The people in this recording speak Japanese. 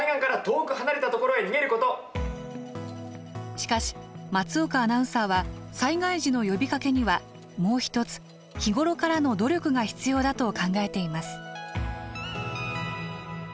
しかし松岡アナウンサーは災害時の呼びかけにはもう一つ日頃からの努力が必要だと考えています。